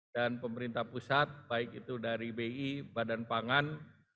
dan pemerintah pusat baik itu dari bi badan pangan